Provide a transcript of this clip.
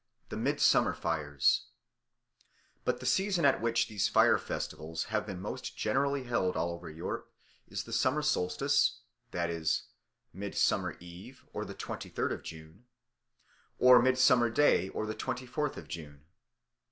5. The Midsummer Fires BUT THE SEASON at which these firefestivals have been most generally held all over Europe is the summer solstice, that is Midsummer Eve (the twenty third of June) or Midsummer day (the twenty fourth of June).